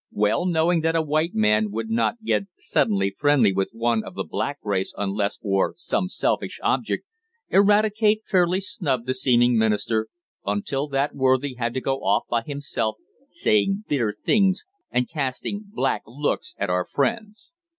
Well knowing that a white man would not get suddenly friendly with one of the black race unless for some selfish object, Eradicate fairly snubbed the seeming minister, until that worthy had to go off by himself, saying bitter things and casting black looks at our friends.